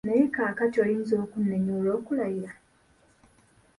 Naye kaakati oyinza okunnenya olw’okulayira?